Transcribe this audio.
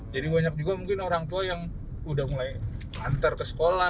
jadi banyak juga mungkin orang tua yang udah mulai lantar ke sekolah